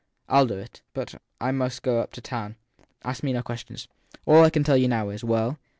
I ll do it ! But I must go up to town. Ask me no questions. All I can tell you now is Well